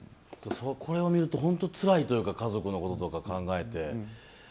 これを見ると本当つらいというか家族のこととか考えて。